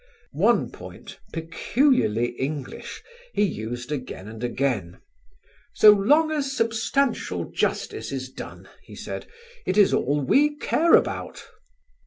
One point, peculiarly English, he used again and again. "So long as substantial justice is done," he said, "it is all we care about."